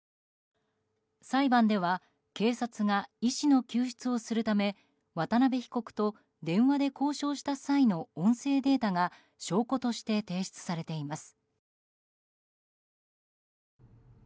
裁判では警察が医師の救出をするため渡辺被告と電話で交渉した際の音声データが証拠として提出されています。